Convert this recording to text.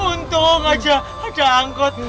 untung aja ada angkot